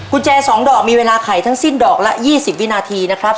กุญแจสองดอกมีเวลาไขทั้งสิ้นดอกละยี่สิบวินาทีนะครับ